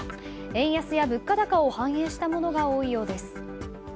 円安や物価高を反映したものが多いようです。